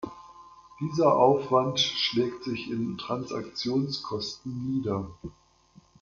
Dieser Aufwand schlägt sich in Transaktionskosten nieder.